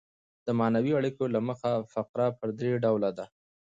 د معنوي اړیکو له مخه فقره پر درې ډوله ده.